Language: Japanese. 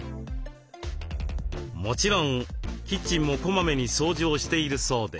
もちろんキッチンもこまめに掃除をしているそうで。